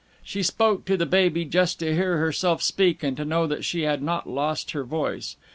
She spoke to the baby just to hear herself speak, and to know that she had not lost her voice.